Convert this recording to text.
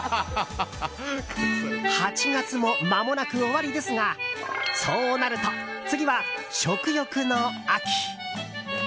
８月もまもなく終わりですがそうなると次は食欲の秋！